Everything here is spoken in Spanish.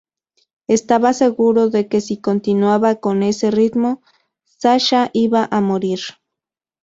Estaba seguro de que si continuaba con ese ritmo, Sasha iba a morir.